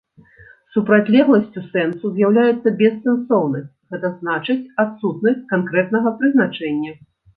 Супрацьлегласцю сэнсу з'яўляецца бессэнсоўнасць, гэта значыць адсутнасць канкрэтнага прызначэння.